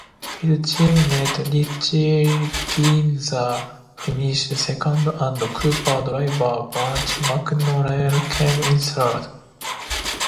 His teammate Richie Ginther finished second and Cooper driver Bruce McLaren came in third.